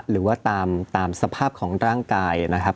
หรือว่าตามสภาพของร่างกายนะครับ